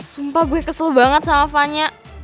sumpah gue kesel banget sama fanya